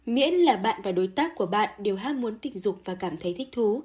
miễn là bạn và đối tác của bạn đều ham muốn tình dục và cảm thấy thích thú